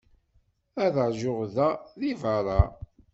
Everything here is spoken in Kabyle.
Ad ṛjuɣ da, deg beṛṛa.